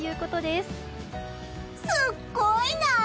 すっごいな！